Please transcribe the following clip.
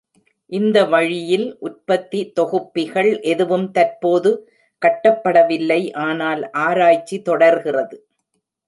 இந்த வழியில் உற்பத்தி தொகுப்பிகள் எதுவும் தற்போது கட்டப்படவில்லை, ஆனால் ஆராய்ச்சி தொடர்கிறது.